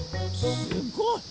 すごい。